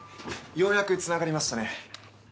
ようやくつながりましたね。